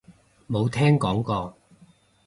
冇聽講過